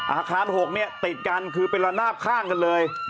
อาคาร๖เนี่ยติดกันคือเป็นระนาบข้างกันเลย